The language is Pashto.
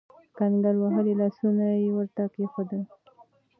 کنګل وهلي لاسونه يې ورته کېښودل.